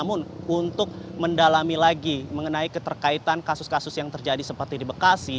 namun untuk mendalami lagi mengenai keterkaitan kasus kasus yang terjadi seperti di bekasi